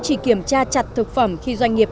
chỉ kiểm tra chặt thực phẩm khi doanh nghiệp